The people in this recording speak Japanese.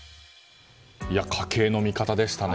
家計の味方でしたね。